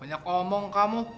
banyak omong kamu